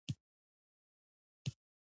مساله له ځواب ویونکي سره وي.